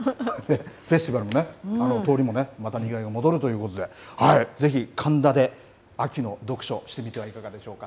フェスティバルもね、通りもまたにぎわいが戻るということで、ぜひ神田で秋の読書、してみてはいかがでしょうか。